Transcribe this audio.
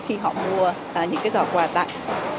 khi họ mua những cái giỏ quà tặng